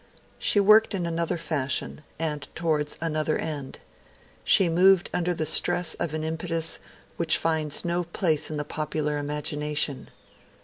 She worked in another fashion and towards another end; she moved under the stress of an impetus which finds no place in the popular imagination.